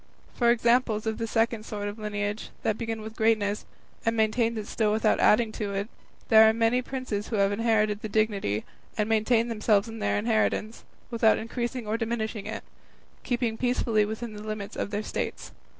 For examples of the second sort of lineage, that began with greatness and maintains it still without adding to it, there are the many princes who have inherited the dignity, and maintain themselves in their inheritance, without increasing or diminishing it, keeping peacefully within the limits of their states.